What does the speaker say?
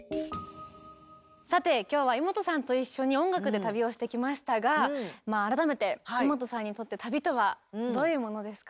さて今日はイモトさんと一緒に音楽で旅をしてきましたが改めてイモトさんにとって旅とはどういうものですか？